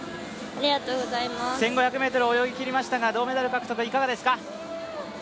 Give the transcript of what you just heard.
１５００ｍ泳ぎきりましたが、銅メダル獲得いかがですか？